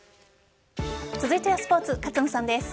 続いてはスポーツ勝野さんです。